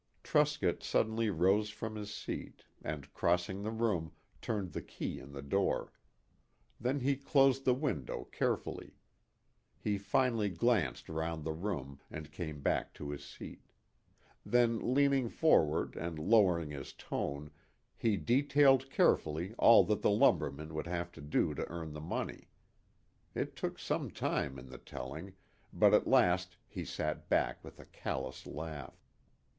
Truscott suddenly rose from his seat, and crossing the room, turned the key in the door. Then he closed the window carefully. He finally glanced round the room, and came back to his seat. Then, leaning forward and lowering his tone, he detailed carefully all that the lumberman would have to do to earn the money. It took some time in the telling, but at last he sat back with a callous laugh.